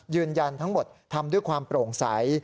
ยืนยันทั้งหมดทำด้วยความโปร่งใส